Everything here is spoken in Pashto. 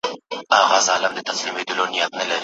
ماهرين په دې باور دي چې بيکاري بايد له منځه يوړل سي.